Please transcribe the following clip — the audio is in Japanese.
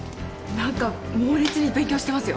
何か猛烈に勉強してますよ。